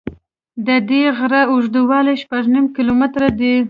د دې غره اوږدوالی شپږ نیم کیلومتره دی.